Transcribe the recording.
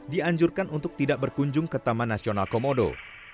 dianjurkan untuk tidak berkunjung ke taman nasional komodo